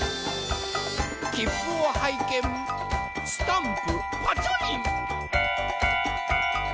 きっぷをはいけんスタンプパチョリン。